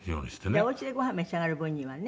じゃあお家でご飯召し上がる分にはね。